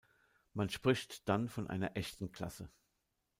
Man spricht dann von einer "echten Klasse".